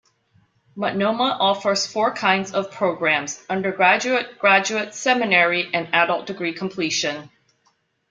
Multnomah offers four kinds of programs: undergraduate, graduate, seminary and adult degree completion.